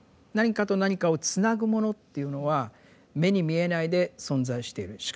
何かと何かをつなぐものっていうのは目に見えないで存在している。